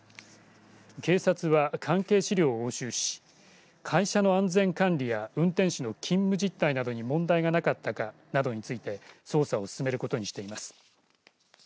警察は、関係資料を押収し会社の安全管理や運転手の勤務実態などに問題がなかったかなどについて捜査を進めることにしています。